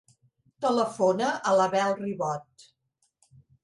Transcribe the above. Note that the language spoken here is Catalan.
Telefona a l'Abel Ribot.